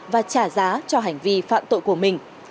và trả giá cho hành vi phạm tội của mình